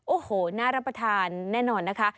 โอ้โหน่ารับประทานแน่นอนนะคะ